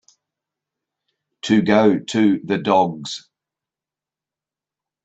To go to the dogs